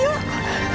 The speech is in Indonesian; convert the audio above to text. yuk bu yuk